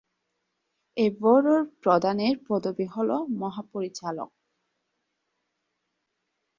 এ ব্যুরোর প্রধানের পদবি হল মহাপরিচালক।